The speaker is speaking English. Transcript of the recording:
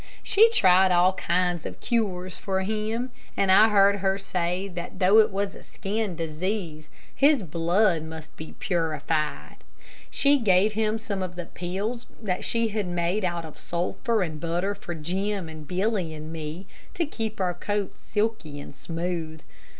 She tried all kind of cures for him, and I heard her say that though it was a skin disease, his blood must be purified. She gave him some of the pills that she made out of sulphur and butter for Jim, and Billy, and me, to keep our coats silky and smooth.